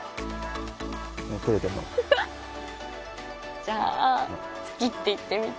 じゃあ好きって言ってみて？